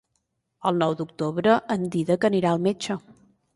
El nou d'octubre en Dídac anirà al metge.